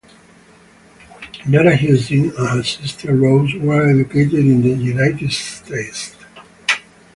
Nora Hsiung and her sister Rose were educated in the United States.